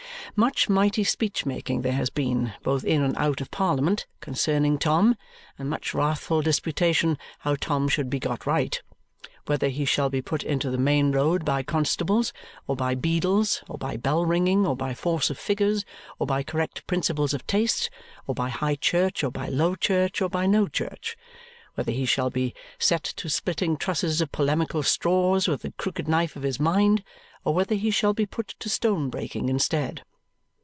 Much mighty speech making there has been, both in and out of Parliament, concerning Tom, and much wrathful disputation how Tom shall be got right. Whether he shall be put into the main road by constables, or by beadles, or by bell ringing, or by force of figures, or by correct principles of taste, or by high church, or by low church, or by no church; whether he shall be set to splitting trusses of polemical straws with the crooked knife of his mind or whether he shall be put to stone breaking instead.